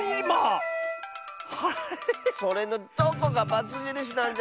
それのどこがバツじるしなんじゃ！